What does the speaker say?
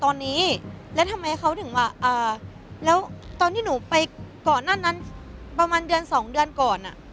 ตอนนี้แล้วทำไมเขาถึงว่าแล้วตอนที่หนูไปก่อนหน้านั้นประมาณเดือนสองเดือนก่อนอ่ะ